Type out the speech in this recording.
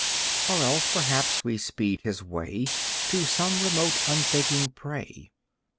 Or else, perhaps, we speed his way To some remote unthinking prey.